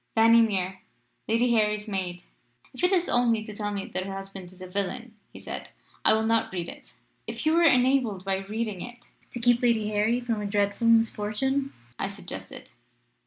"'Fanny Mere, Lady Harry's maid.' "'If it is only to tell me that her husband is a villain,' he said, 'I will not read it.' "'If you were enabled by reading it to keep Lady Harry from a dreadful misfortune?' I suggested.